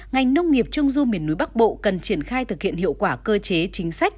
ngành nông nghiệp trung du miền núi bắc bộ cần triển khai thực hiện hiệu quả cơ chế chính sách